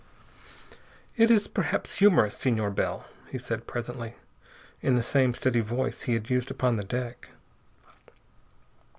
"It is perhaps humorous, Senor Bell," he said presently, in the same steady voice he had used upon the deck.